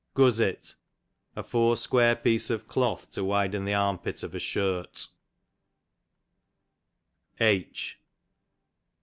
Guzzet, a 4 square piece of cloth to ividen the arm pit of a shirt. H.